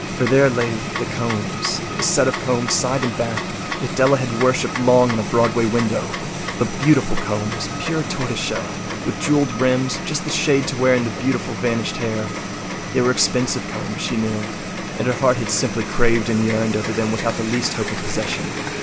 For there lay The Combs—the set of combs, side and back, that Della had worshipped long in a Broadway window. Beautiful combs, pure tortoise shell, with jewelled rims—just the shade to wear in the beautiful vanished hair. They were expensive combs, she knew, and her heart had simply craved and yearned over them without the least hope of possession.